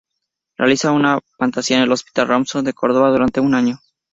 Realiza una pasantía en el Hospital Rawson de Córdoba durante un año.